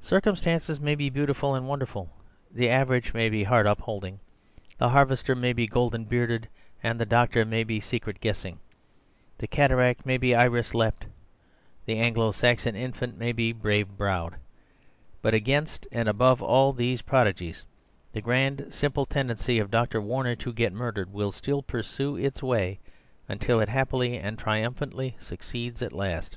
Circumstances may be beautiful and wonderful, the average may be heart upholding, the harvester may be golden bearded, the doctor may be secret guessing, the cataract may be iris leapt, the Anglo Saxon infant may be brave browed, but against and above all these prodigies the grand simple tendency of Dr. Warner to get murdered will still pursue its way until it happily and triumphantly succeeds at last."